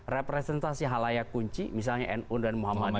representasi halayak kunci misalnya nu dan muhammadiya